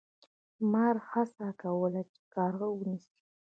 مار هڅه کوله چې کارغه ونیسي.